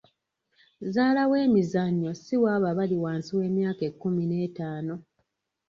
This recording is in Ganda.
Zzaala w'emizannyo si waabo abali wansi w'emyaka ekkumi n'etaano.